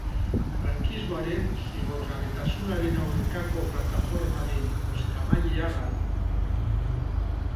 Frankismoaren zigorgabetasunaren aurkako plataformaren bozeramailea da.